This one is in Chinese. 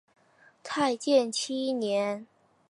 太建七年。